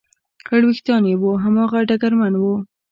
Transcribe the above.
خړ وېښتان یې و، هماغه ډګرمن و.